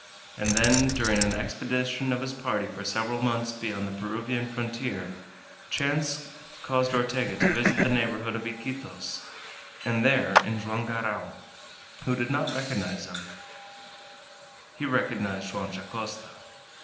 And then, during an expedition of his party for several months beyond the Peruvian frontier, chance caused Ortega to visit the neighborhood of Iquitos, and there in Joam Garral, who did not recognize him, he recognized Joam Dacosta.